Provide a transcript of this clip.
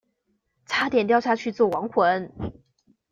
差點掉下去做亡魂